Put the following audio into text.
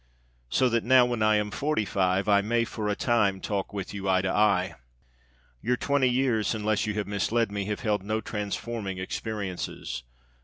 So that now, when I am forty five, I may for a time talk with you eye to eye. Your twenty years, unless you have misled me, have held no transforming experiences.